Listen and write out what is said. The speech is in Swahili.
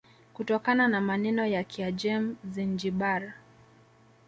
Kutokana na maneno ya Kiajem Zinjibar